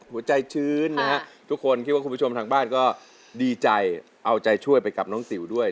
หัวใจชื้นนะฮะทุกคนคิดว่าคุณผู้ชมทางบ้านก็ดีใจเอาใจช่วยไปกับน้องติ๋วด้วย